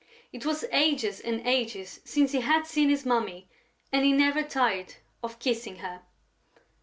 It was ages and ages since he had seen his Mummy and he never tired of kissing her.